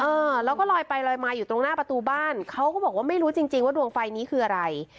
เออแล้วก็ลอยไปลอยมาอยู่ตรงหน้าประตูบ้านเขาก็บอกว่าไม่รู้จริงจริงว่าดวงไฟนี้คืออะไร